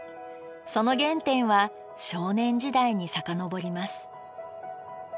その原点は少年時代に遡ります。